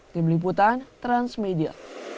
tim liputan transmedia